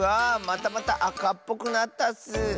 またまたあかっぽくなったッス。